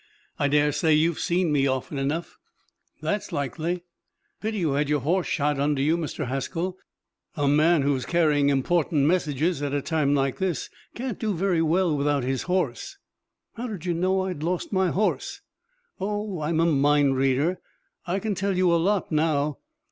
I dare say you've seen me often enough." "That's likely." "Pity you had your horse shot under you, Mr. Haskell. A man who is carrying important messages at a time like this can't do very well without his horse." "How did you know I'd lost my horse?" "Oh, I'm a mind reader. I can tell you a lot now.